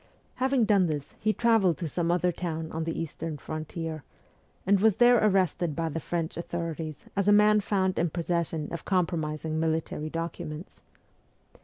Having done this, he travelled to some other town on the eastern frontier, and was there arrested by the French authorities as a man found in possession of compromising military documents.